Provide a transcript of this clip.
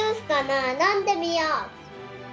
のんでみよう。